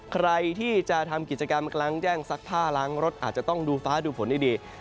ใครที่จะทำกิจกรรมกลางแจ้งซักผ้าล้างรถอาจจะต้องดูฟ้าดูฝนให้ดี